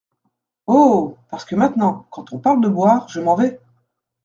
Oh ! parce que maintenant, quand on parle de boire, je m’en vais !